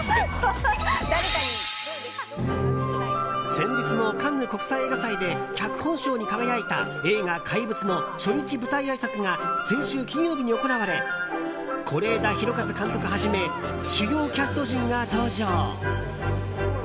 先日のカンヌ国際映画祭で脚本賞に輝いた映画「怪物」の初日舞台あいさつが先週金曜日に行われ是枝裕和監督はじめ主要キャスト陣が登場。